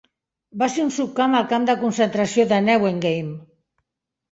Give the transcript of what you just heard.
Va ser un subcamp al camp de concentració de Neuengamme.